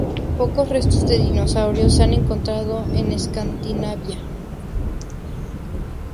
Pocos restos de dinosaurios se han encontrado en Escandinavia.